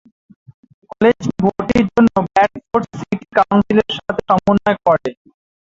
কলেজটি ভর্তির জন্য ব্র্যাডফোর্ড সিটি কাউন্সিলের সাথে সমন্বয় করে।